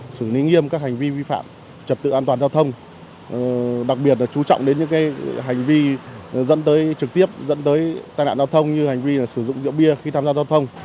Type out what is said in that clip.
xử lý nghiêm các hành vi vi phạm trật tự an toàn giao thông đặc biệt là chú trọng đến những hành vi dẫn tới trực tiếp dẫn tới tai nạn giao thông như hành vi sử dụng rượu bia khi tham gia giao thông